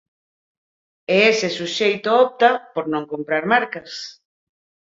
E ese suxeito opta por non comprar marcas.